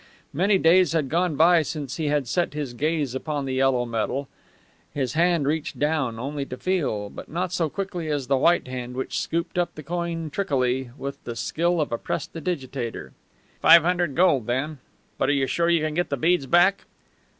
Many days had gone by since he had set his gaze upon the yellow metal. His hand reached down only to feel but not so quickly as the white hand, which scooped up the coin trickily, with the skill of a prestidigitator. "Five hundred gold, then. But are you sure you can get the beads back?"